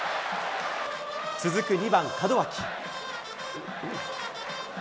続く２番門脇。